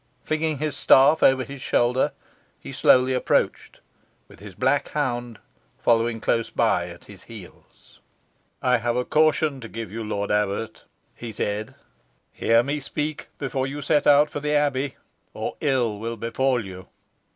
Flinging his staff over his shoulder, he slowly approached, with his black hound following close by at his heels. "I have a caution to give you, lord abbot," he said; "hear me speak before you set out for the abbey, or ill will befall you."